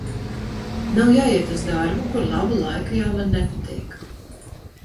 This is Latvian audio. Nav jāiet uz darbu, kur labu laiku jau man nepatīk.